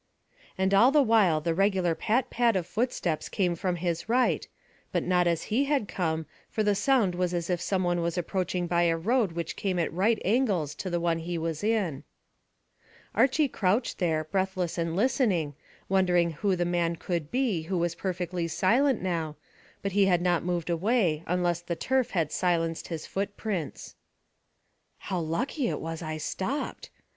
And all the while the regular pat pat of footsteps came from his right, but not as he had come, for the sound was as if some one was approaching by a road which came at right angles to the one he was in. Archy crouched there, breathless and listening, wondering who the man could be who was perfectly silent now, but he had not moved away unless the turf had silenced his footprints. "How lucky it was I stopped!"